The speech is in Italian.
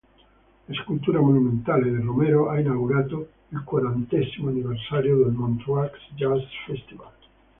La scultura monumentale di Romero ha inaugurato il quarantesimo anniversario del Montreux Jazz Festival.